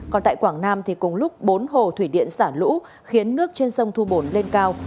còn tại quảng nam thì cùng lúc bốn hồ thủy điện xả lũ khiến nước trên sông thu bồn lên cao